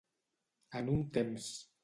En un temps.